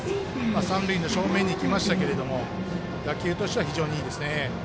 三塁の正面にいきましたけど打球としては非常にいいですね。